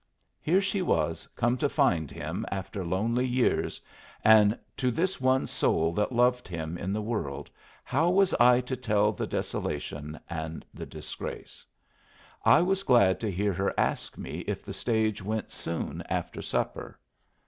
Here she was, come to find him after lonely years, and to this one soul that loved him in the world how was I to tell the desolation and the disgrace? I was glad to hear her ask me if the stage went soon after supper.